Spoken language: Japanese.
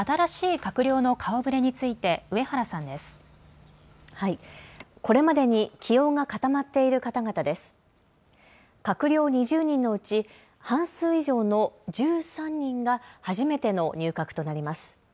閣僚２０人のうち半数以上の１３人が初めての入閣となります。